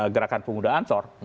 gerakan pemuda ansor